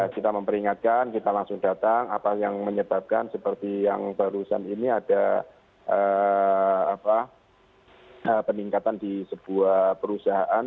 kita memperingatkan kita langsung datang apa yang menyebabkan seperti yang barusan ini ada peningkatan di sebuah perusahaan